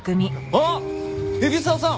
あっ海老沢さん！